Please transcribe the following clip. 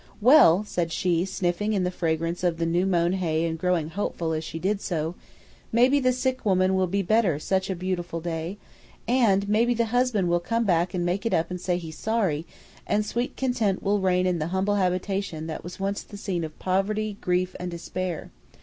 "Well," she said, sniffing in the fragrance of the new mown hay and growing hopeful as she did so; "maybe the sick woman will be better such a beautiful day, and maybe the husband will come back to make it up and say he's sorry, and sweet content will reign in the humble habitation that was once the scene of poverty, grief, and despair.